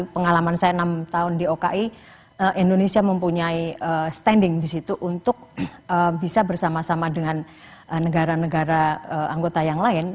pengalaman saya enam tahun di oki indonesia mempunyai standing di situ untuk bisa bersama sama dengan negara negara anggota yang lain